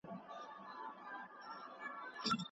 ډیپلوماټیک استازي د ملتونو ترمنځ پیغامونه لیږدوي.